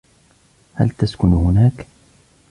هل تسكن هناك ؟